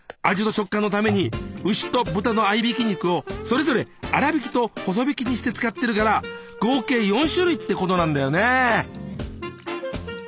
味と食感のために牛と豚の合いびき肉をそれぞれ粗びきと細びきにして使ってるから合計４種類ってことなんだよね。